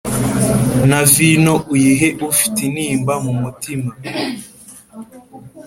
na vino uyihe ufite intimba mu mutima